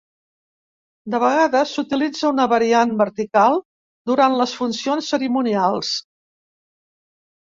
De vegades s'utilitza una variant vertical durant les funcions cerimonials.